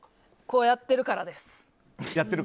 こうやってるからです。